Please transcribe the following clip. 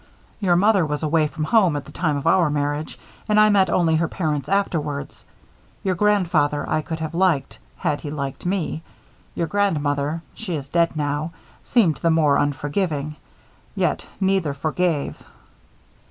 Your mother was away from home at the time of our marriage and I met only her parents afterwards. Your grandfather I could have liked, had he liked me. Your grandmother she is dead now seemed the more unforgiving. Yet, neither forgave."